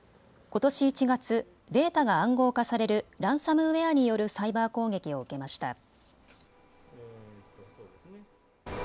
ことし１月、データが暗号化されるランサムウエアによるサイバー攻撃を受けました。